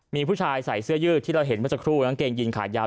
มีผู้ชายใส่เสื้อยืดที่เราเห็นเมื่อสักครู่กางเกงยินขายาว